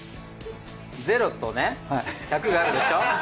ゼロとね１００があるでしょ。